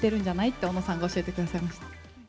って、尾野さんが教えてくださいました。